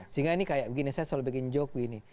sehingga ini kayak begini saya selalu bikin joke begini